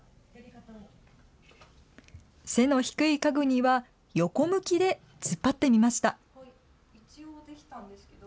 背の低い家具には、横向きで突っ張ってみました。